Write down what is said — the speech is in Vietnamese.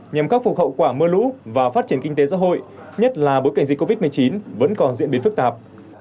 nhằm khắc phục hậu quả mưa lũ và phát triển kinh tế xã hội nhất là bối cảnh dịch covid một mươi chín vẫn còn diễn biến phức tạp